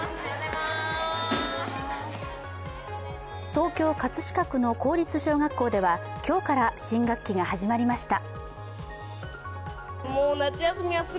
東京・葛飾区の公立小学校では今日から新学期が始まりました。